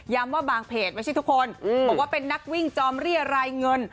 ว่าบางเพจไม่ใช่ทุกคนบอกว่าเป็นนักวิ่งจอมเรียรายเงิน